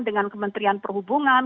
dengan kementerian perhubungan